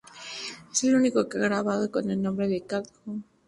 Es el único que ha grabado con el nombre de Kat Hue.